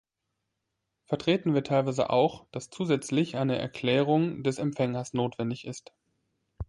Vertreten wird teilweise auch, dass zusätzlich eine Erklärung des Empfängers notwendig ist.